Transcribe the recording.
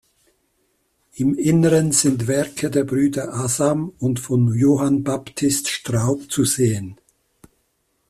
Im Inneren sind Werke der Brüder Asam und von Johann Baptist Straub zu sehen.